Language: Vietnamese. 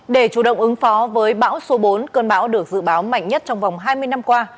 để chủ động ứng phó với bão số bốn cơn bão được dự báo mạnh nhất trong vòng hai mươi năm qua